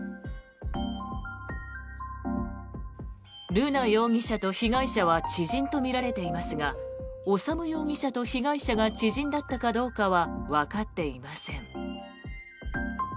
瑠奈容疑者と被害者は知人とみられていますが修容疑者と被害者が知人だったかどうかはわかっていません。